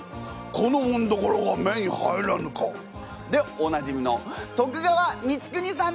この紋所が目に入らぬか！」でおなじみの徳川光圀さんです！